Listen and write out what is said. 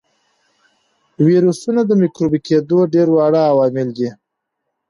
ویروسونه د مکروبي کېدلو ډېر واړه عوامل دي.